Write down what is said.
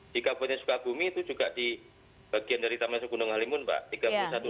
di kabupaten sukabumi itu juga di bagian dari taman nasional gunung halimun mbak